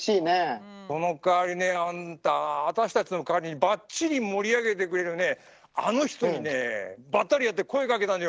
そのかわりねあんた私たちの代わりにばっちり盛り上げてくれるあの人にねばったり会って声かけたのよ！